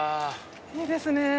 いいですね。